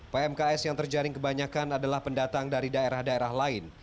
pmks yang terjaring kebanyakan adalah pendatang dari daerah daerah lain